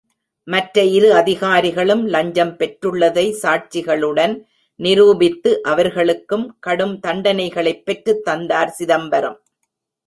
மற்ற இரு அதிகாரிகளும் லஞ்சம் பெற்றுள்ளதை சாட்சிகளுடன் நிரூபித்து, அவர்களுக்கும் கடும் தண்டனைகளைப் பெற்றுத் தந்தார் சிதம்பரம்.